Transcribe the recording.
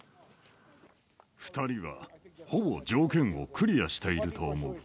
２人はほぼ条件をクリアしていると思う。